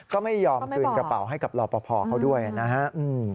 ก็ไม่ยอมคืนกระเป๋าให้กับรอปภเขาด้วยนะฮะ